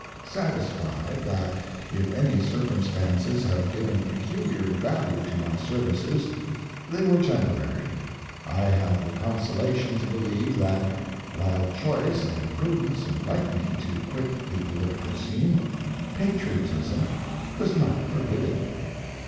Satisfied, that, if any circumstances have given peculiar value to my services, they were temporary, I have the consolation to believe, that, while choice and prudence invite me to quit the political scene, patriotism does not forbid it.